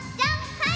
はい！